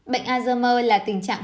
bệnh alzheimer là tình trạng